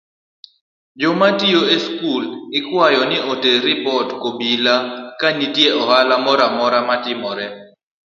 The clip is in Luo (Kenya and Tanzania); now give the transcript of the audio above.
Jomatiyo e skul ikwayo ni oter ripot kobila ka nitie ohala moramora matimore.